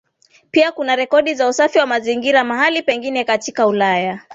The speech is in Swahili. Pia kuna rekodi za usafi wa mazingira mahala pengine katika Ulaya